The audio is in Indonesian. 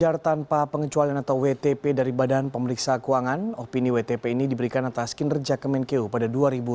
wajar tanpa pengecualian atau wtp dari badan pemeriksa keuangan opini wtp ini diberikan atas kinerja kemenkeu pada dua ribu dua puluh